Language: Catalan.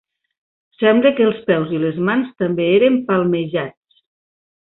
Sembla que els peus i les mans també eren palmejats.